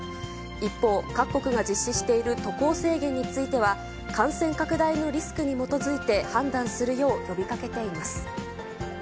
一方、各国が実施している渡航制限については、感染拡大のリスクに基づいて判断するよう呼びかけています。